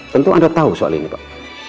tentu anda tahu soal ini pak